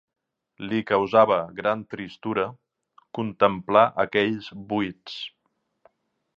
Li causava gran tristura contemplar aquells buits